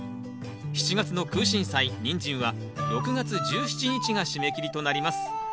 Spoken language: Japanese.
７月の「クウシンサイ」「ニンジン」は６月１７日が締め切りとなります。